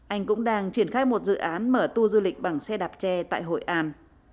anh cũng đang triển khai một dự án mở tu du lịch bằng xe đạp tre tại hội an